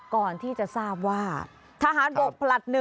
ก่อนที่จะทราบว่าทหารบกผลัด๑